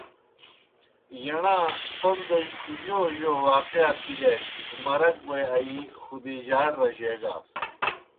ییݨاں پوْن دہ جوْ جوْ واقعات بِلیِاسیْ مرک بوئے آیِی خدیجہؓ ئڑ رجیگاس۔